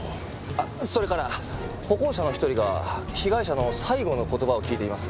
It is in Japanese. あっそれから歩行者の一人が被害者の最後の言葉を聞いています。